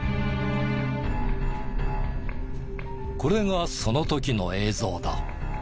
これがその時の映像だ。